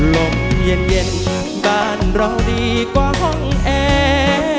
ลมเย็นบ้านเราดีกว่าห้องแอ